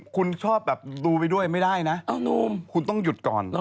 คุณชอบแบบดูไปด้วยไม่ได้นะคุณต้องหยุดก่อน